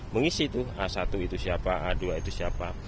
mengisi itu a satu itu siapa a dua itu siapa